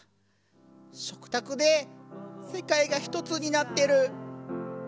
食卓で世界が一つになってる。